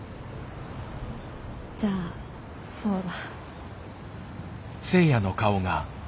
じゃあそうだ。